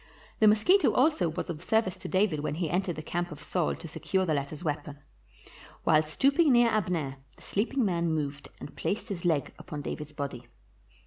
The mosquito also was of service to David when he entered the camp of Saul to secure the latter 's weapon. While stooping near Abner, the sleeping man moved and placed his leg upon David's body.